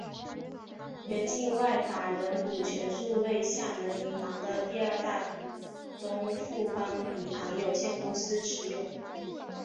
原境外法人股全数为厦门银行的第二大股东富邦银行有限公司持有。